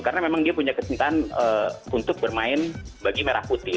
karena memang dia punya kesintahan untuk bermain bagi merah putih